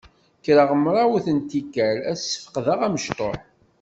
Kkreɣ mrawet n tikkal ad sfeqdeɣ amecṭuḥ.